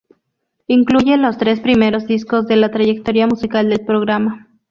Incluye los tres primeros discos de la trayectoria musical del programa.